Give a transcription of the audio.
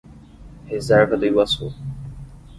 Reserva do Iguaçu